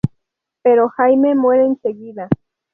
Pero Jaime muere enseguida.